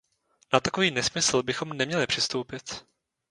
Na takový nesmysl bychom neměli přistoupit.